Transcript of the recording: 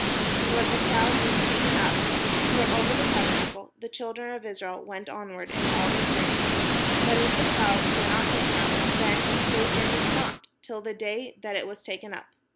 And when the cloud was taken up from over the tabernacle, the children of Israel went onward in all their journeys : but if the cloud were not taken up, then they journeyed not till the day that it was taken up.